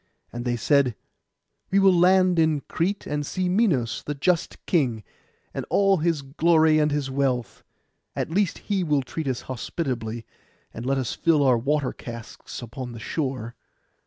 And they said, 'We will land in Crete, and see Minos the just king, and all his glory and his wealth; at least he will treat us hospitably, and let us fill our water casks upon the shore.